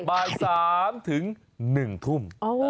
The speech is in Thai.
บ่าย๓ถึง๑ทุ่ม